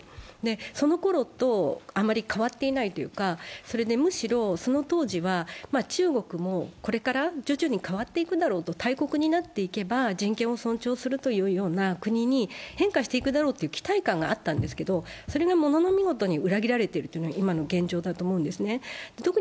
そのころとあまり変わっていないというかむしろその当時は中国もこれから徐々に変わっていくだろうと、大国になっていけば人権を尊重していくような国に変化していくだろうという期待感があったんですけど、それがものの見事に裏切られてるというのが今の現状だと思うんです。